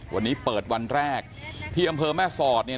วันนี้เปิดวันแรกที่อำเภอแม่สอดเนี่ย